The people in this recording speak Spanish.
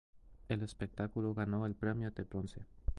El espectáculo ganó el premio de bronce.